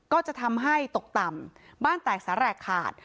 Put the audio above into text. ก็จะทำให้ตกต่ำบ้านแตกแสแรกขาด